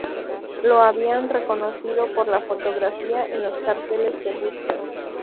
Lo habían reconocido por la fotografía en los carteles de búsqueda.